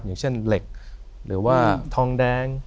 อย่างเช่นเหล็กหรือว่าทองแดง